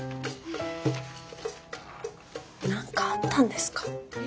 何かあったんですか？